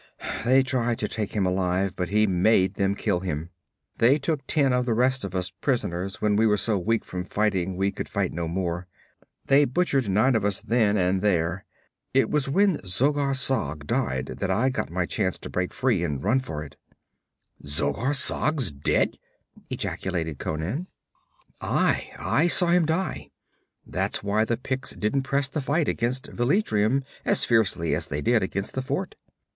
They tried to take him alive, but he made them kill him. They took ten of the rest of us prisoners when we were so weak from fighting we could fight no more. They butchered nine of us then and there. It was when Zogar Sag died that I got my chance to break free and run for it.' 'Zogar Sag's dead?' ejaculated Conan. 'Aye. I saw him die. That's why the Picts didn't press the fight against Velitrium as fiercely as they did against the fort.